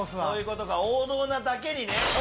そういうことか王道なだけにね。